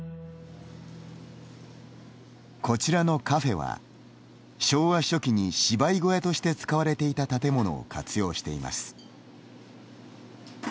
こちらのカフェは昭和初期に芝居小屋として使われていた建物を活用しています。